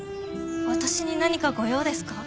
私に何かご用ですか？